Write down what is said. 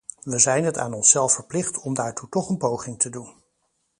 We zijn het aan onszelf verplicht om daartoe toch een poging te doen.